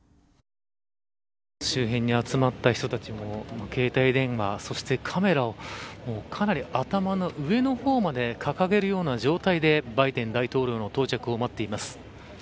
周辺に集まった人たちも携帯電話そしてカメラをかなり頭の上の方まで掲げるような状態でバイデン大統領の到着を待っています。